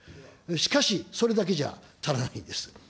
しかしそれだけじゃ足らないんです。